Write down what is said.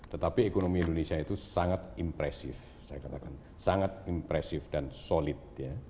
tetapi ekonomi indonesia itu sangat impresif saya katakan sangat impresif dan solid